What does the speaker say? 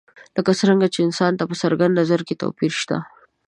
لکه څرنګه چې د انسانانو په څرګند نظر کې توپیر شته.